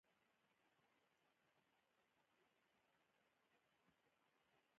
ازادي راډیو د د ښځو حقونه د راتلونکې په اړه وړاندوینې کړې.